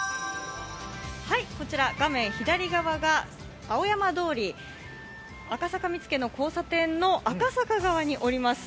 こちら画面左側が青山通り、赤坂見附の交差点の赤坂側にあります。